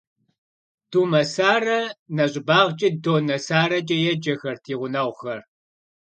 Думэсарэ нэщӏыбагъкӏэ «Доннэ Саракӏэ» еджэхэрт и гъунэгъухэр.